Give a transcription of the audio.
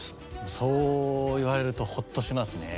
そう言われるとホッとしますね。